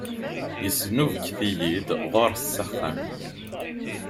Yesnubget-iyi-d ɣur-s s axxam.